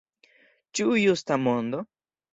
Ĉu justa mondo?